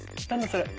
それ。